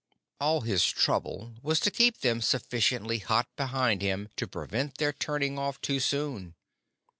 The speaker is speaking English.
All his trouble was to keep them sufficiently hot behind him to prevent their turning off too soon.